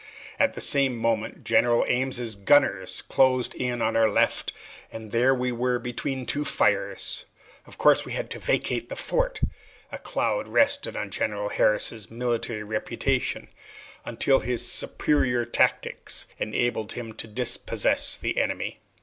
At the same moment General Ames's gunners closed in on our left, and there we were between two fires. Of course we had to vacate the fort. A cloud rested on General Harris's military reputation until his superior tactics enabled him to dispossess the enemy.